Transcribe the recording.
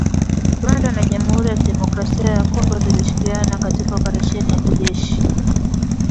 Rwanda na Jamhuri ya kidemokrasia ya Congo zilishirikiana katika oparesheni ya kijeshi